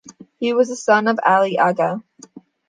He was the son of Ali Aga.